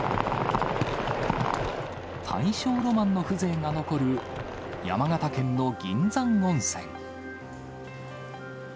大正ロマンの風情が残る山形県の銀山温泉。